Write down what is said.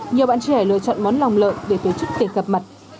nhiều bạn trẻ lựa chọn món lòng lợi để tổ chức tiệc gặp mặt